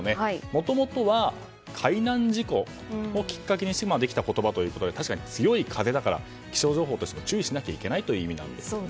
もともとは海難事故をきっかけにできた言葉ということで確かに強い風だから気象情報として注意しないといけないという意味なんですよね。